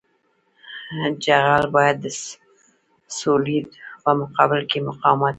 جغل باید د سولېدو په مقابل کې مقاومت ولري